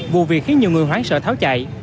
vụ việc khiến nhiều người hoán sợ tháo chạy